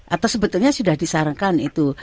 atau sebetulnya sudah disarankan itu